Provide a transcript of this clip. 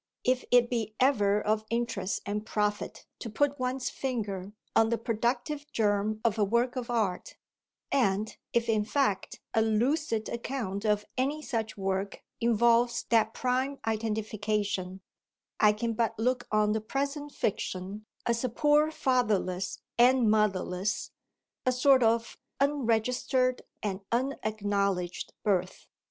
If it be ever of interest and profit to put one's finger on the productive germ of a work of art, and if in fact a lucid account of any such work involves that prime identification, I can but look on the present fiction as a poor fatherless and motherless, a sort of unregistered and unacknowledged birth.